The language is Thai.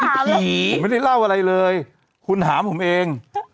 ผีผมไม่ได้เล่าอะไรเลยคุณถามผมเอง